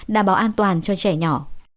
đảm bảo an toàn cho trẻ nhỏ